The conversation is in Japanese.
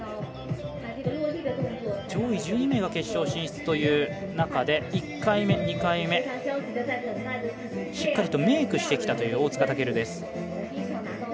上位１２名が決勝進出という中で１回目、２回目しっかりとメークしてきたという大塚健です。